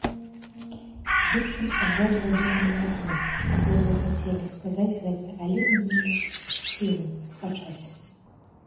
Быццам абодва думалі адно, абодва хацелі сказаць гэта, але не мелі сілы пачаць.